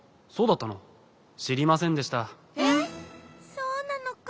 そうなのか。